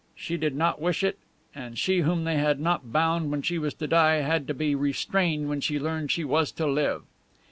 She did not wish it, and she whom they had not bound when she was to die had to be restrained when she learned she was to live."